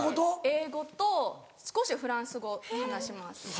英語と少しフランス語話します。